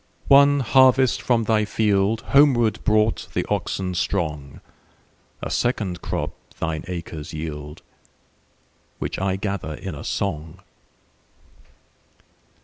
One harvest from thy fieldHomeward brought the oxen strong;A second crop thine acres yield, Which I gather in a song.